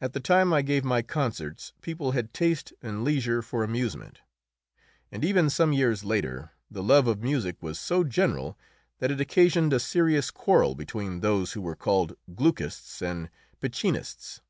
At the time I gave my concerts people had taste and leisure for amusement, and even some years later the love of music was so general that it occasioned a serious quarrel between those who were called Gluckists and Piccinists.